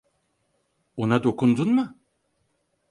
Ona dokundun mu?